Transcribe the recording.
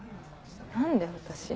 何で私？